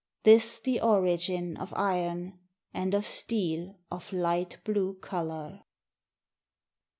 This, the origin of iron. And of steel of light blue color.